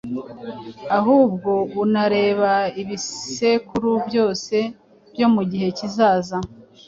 ahubwo unareba ibisekuru byose byo mu gihe kizaza.